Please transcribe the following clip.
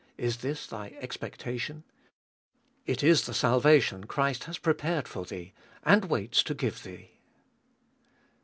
Is this thy expectation ? It is tha salvation Christ has prepared for thee, and waits to glue thee.